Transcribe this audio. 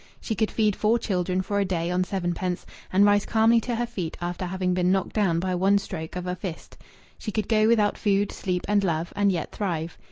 She could feed four children for a day on sevenpence, and rise calmly to her feet after having been knocked down by one stroke of a fist. She could go without food, sleep, and love, and yet thrive.